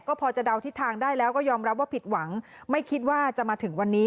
ก็พอจะเดาทิศทางได้แล้วก็ยอมรับว่าผิดหวังไม่คิดว่าจะมาถึงวันนี้